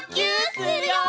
するよ！